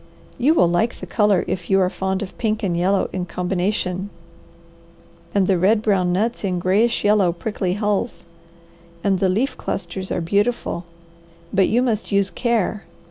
You will like the colour if you are fond of pink and yellow in combination, and the red brown nuts in grayish yellow, prickly hulls, and the leaf clusters are beautiful, but you must use care.